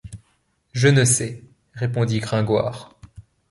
Je ne sais, répondit Gringoire.